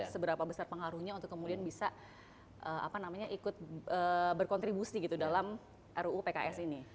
seberapa besar pengaruhnya untuk kemudian bisa ikut berkontribusi gitu dalam ruu pks ini